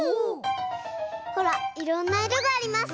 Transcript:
ほらいろんないろがあります。